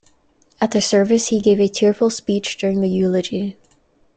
At the service, he gave a tearful speech during the eulogy.